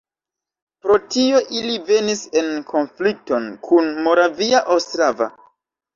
Pro tio ili venis en konflikton kun Moravia Ostrava.